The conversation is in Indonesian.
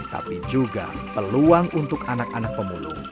tapi juga peluang untuk anak anak pemulung